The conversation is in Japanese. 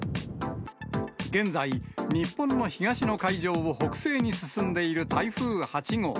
現在、日本の東の海上を北西に進んでいる台風８号。